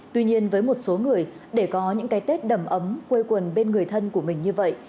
tuy nhiên với một số người để có những cái tết đầm ấm quây quần bên người thân của mình như vậy